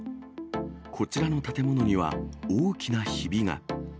こちらの建物には大きなひびが。